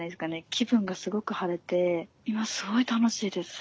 気分がすごく晴れて今すごい楽しいです。